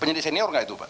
penyidik senior gak itu pak